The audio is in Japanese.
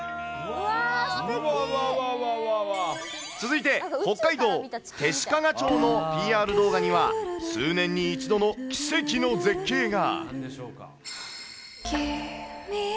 続いて、北海道弟子屈町のＰＲ動画には、数年に一度の奇跡の絶景が。